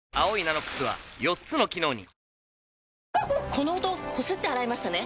この音こすって洗いましたね？